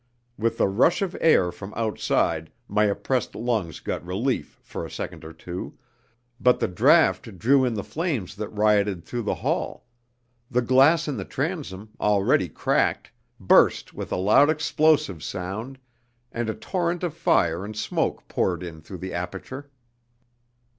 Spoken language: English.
With the rush of air from outside my oppressed lungs got relief for a second or two, but the draught drew in the flames that rioted through the hall; the glass in the transom, already cracked, burst with a loud explosive sound, and a torrent of fire and smoke poured in through the aperture.